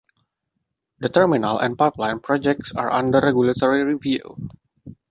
The terminal and pipeline projects are under regulatory review.